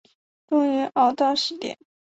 终于熬到十点